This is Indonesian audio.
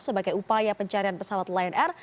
sebagai upaya pencarian pesawat lion air